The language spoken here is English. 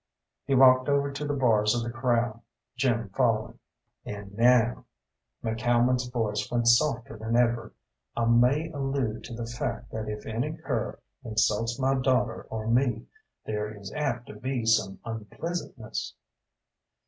He walked over to the bars of the corral, Jim following. "And now," McCalmont's voice went softer than ever, "I may allude to the fact that if any cur insults my daughter or me, there is apt to be some unpleasantness."